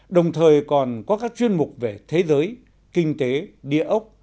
đồng thời còn có các chuyên mục về thế giới kinh tế địa ốc